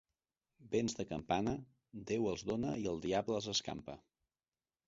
Béns de campana, Déu els dóna i el diable els escampa.